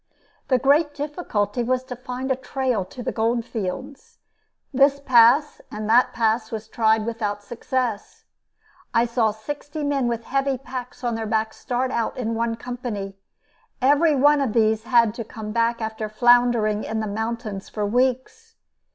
The great difficulty was to find a trail to the gold fields. This pass and that pass was tried without success. I saw sixty men with heavy packs on their backs start out in one company. Every one of these had to come back after floundering in the mountains for weeks.